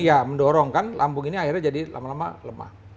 iya mendorong kan lambung ini akhirnya jadi lama lama lemah